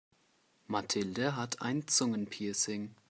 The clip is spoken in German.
Mathilde hat ein Zungenpiercing.